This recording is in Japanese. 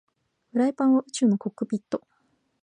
フライパンは宇宙のコックピット